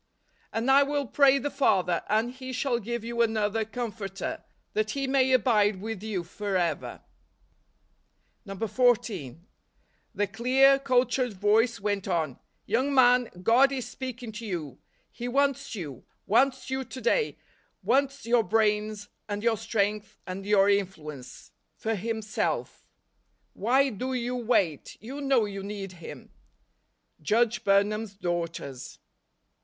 " And I will pray the Father, and he shall give you another Comforter , that he may abide with you forever ." 14. The clear, cultured voice went on; " Young man, God is speaking to you ; He wants you ; wants you to day ; wants your brains, and your strength, and your in¬ fluence, for Himself. Why do you wait ? You know you need Him." Judge Burnham's Daughters.